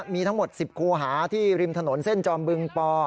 มีทั้งหมด๑๐คูหาที่ริมถนนเส้นจอมบึงป